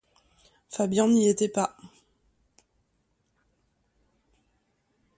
Fabian n’y était pas.